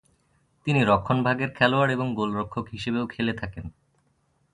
তিনি রক্ষণভাগের খেলোয়াড় এবং গোলরক্ষক হিসেবেও খেলে থাকেন।